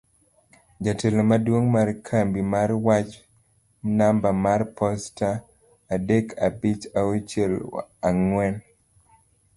Jatelo Maduong' mar Kambi mar Wach namba mar posta adek abich auchiel ang'we